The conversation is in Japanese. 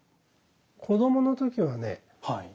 子どもの時はね